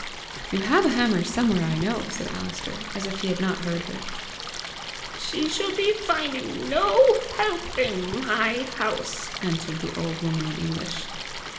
"You have a hammer somewhere, I know!" said Alister, as if he had not heard her. "She shall be finding no help in MY house!" answered the old woman in English.